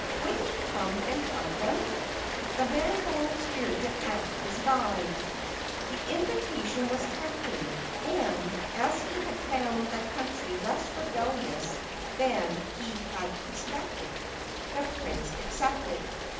Would he come and hunt them ? The man volunteered to act as guide. The invitation was tempting ; and, as he had found the country less rebellious than he had expected, the Prince accepted.